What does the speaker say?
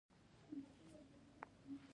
د ولایت مقام د څه لپاره دی؟